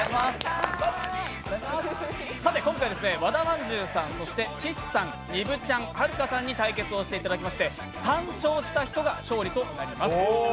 さて今回、和田まんじゅうさん岸さん、にぶちゃん、はるかさんに対決をしていただきまして３勝した人が勝利となります